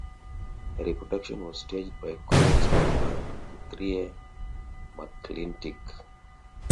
The production was staged by Cornell's husband Guthrie McClintic.